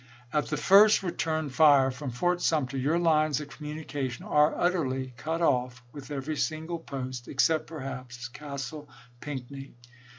At the first return fire from Fort Sumter your lines of communication are utterly cut off with every single post, except, perhaps, Castle Pinckney.